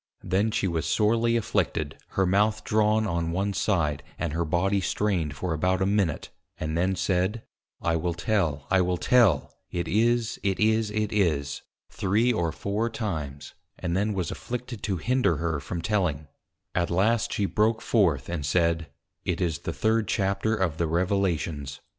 _ Then she was sorely Afflicted, her Mouth drawn on one side, and her Body strained for about a Minute, and then said, I will tell, I will tell; it is, it is, it is, three or four times, and then was afflicted to hinder her from telling, at last she broke forth, and said, _It is the third Chapter of the Revelations.